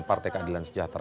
partai kandilan sejahtera